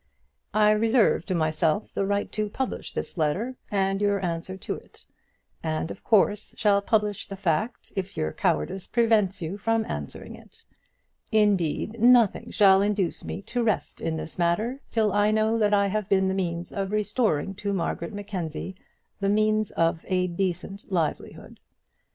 I reserve to myself the right to publish this letter and your answer to it; and of course shall publish the fact if your cowardice prevents you from answering it. Indeed nothing shall induce me to rest in this matter till I know that I have been the means of restoring to Margaret Mackenzie the means of decent livelihood.